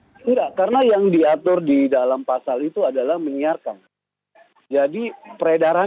tidak karena yang diatur di dalam pasal itu adalah menyiarkan jadi ini adalah hal yang diatur di dalam pasal itu adalah menyiarkan